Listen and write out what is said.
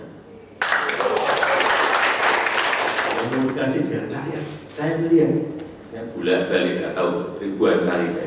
kalau dikasih diantarian saya beli yang bulan balik atau ribuan kali saya beli